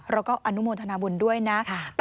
เราก็อนุโมทนาบุญด้วยนะ